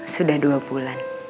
sudah dua bulan